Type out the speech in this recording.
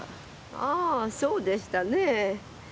ああそうでしたねえ。